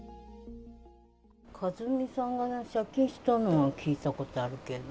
和美さんが借金したのは聞いたことあるけど。